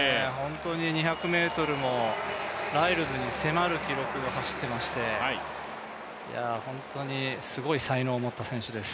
２００ｍもライルズに迫る記録で走ってまして本当にすごい才能を持った選手です。